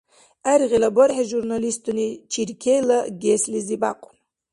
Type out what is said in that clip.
ГӀергъила бархӀи журналистуни Чиркейла ГЭС-лизи бякьун.